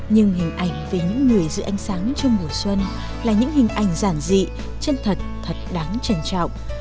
nhưng hình ảnh về những người giữ ánh sáng trong mùa xuân là những hình ảnh giản dị chân thật thật đáng trân trọng